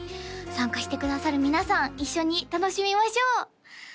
参加してくださる皆さん一緒に楽しみましょう！